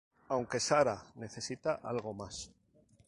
Aunque Sarah necesita algo más.